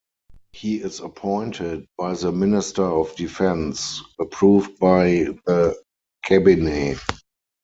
He is appointed by the Minister of Defense, approved by the Cabinet.